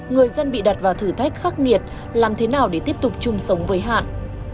người dân bị đặt vào thử thách khắc nghiệt làm thế nào để tiếp tục chung sống với hạn